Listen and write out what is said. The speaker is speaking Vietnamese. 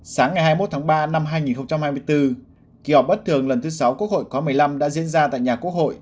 sáng ngày hai mươi một tháng ba năm hai nghìn hai mươi bốn kỳ họp bất thường lần thứ sáu quốc hội khóa một mươi năm đã diễn ra tại nhà quốc hội